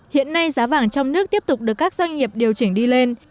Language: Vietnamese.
hiện nay giá vàng trong nước tiếp tục được các doanh nghiệp điều chỉnh đi lên